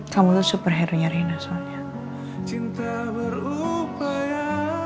kamu tuh super hero nya reina soalnya